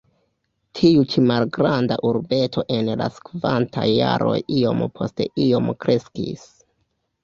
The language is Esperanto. Tiu ĉi malgranda urbeto en la sekvantaj jaroj iom post iom kreskis.